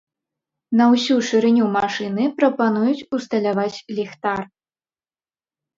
На ўсю шырыню машыны прапануюць усталяваць ліхтар.